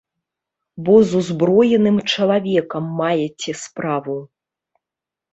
Бо з узброеным чалавекам маеце справу.